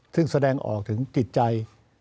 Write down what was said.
ซึ่งแสดงออกถึงจิตใจ